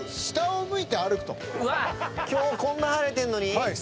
今日こんな晴れてんのに⁉はい。